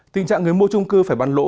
tình trạng người mua trung cư phải bắn lỗ